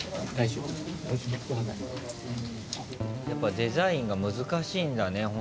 やっぱデザインが難しいんだね